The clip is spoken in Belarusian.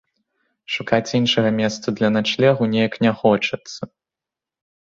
Шукаць іншага месца для начлегу неяк не хочацца.